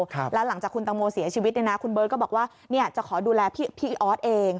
แล้วหลังจากคุณแตงโมเสียชีวิตเนี่ยนะคุณเบิร์ดก็บอกว่าจะขอดูแลพี่ออสเอง